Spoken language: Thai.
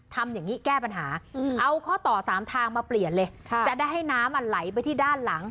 ทำอย่างนี้แก้ปัญหาเอาข้อต่อ๓ทางมาเปลี่ยนเลยจะได้ให้น้ำมันไหลไปที่ด้านหลัง